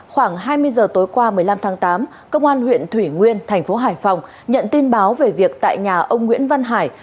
khoảng hai mươi h tối qua một mươi năm tháng tám công an huyện thủy nguyên tp hcm nhận tin báo về việc tại nhà ông nguyễn văn hải